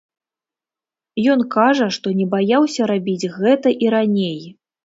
Ён кажа, што не баяўся рабіць гэта і раней.